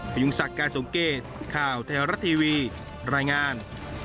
พยุงศักดิ์การสมเกตข่าวไทยรัฐทีวีรายงาน